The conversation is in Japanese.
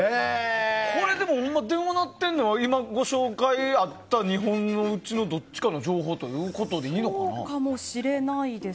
電話鳴ってるのは今、ご紹介があった２本のうちのどっちかの情報ということでいいのかな？